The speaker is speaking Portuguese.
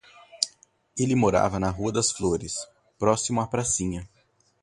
Ele morava na Rua das Flores, próximo à pracinha.